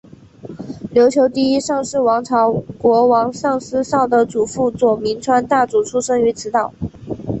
琉球第一尚氏王朝国王尚思绍的祖父佐铭川大主出生于此岛。